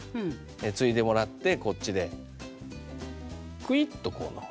ついでもらってこっちでクイッとこう飲む。